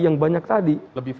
yang banyak tadi